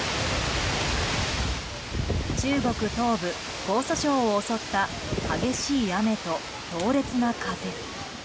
中国東部江蘇省を襲った激しい雨と強烈な風。